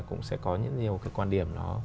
cũng sẽ có nhiều cái quan điểm